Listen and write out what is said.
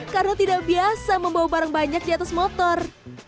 karena tidak biasa membawa barang banyak di atas motor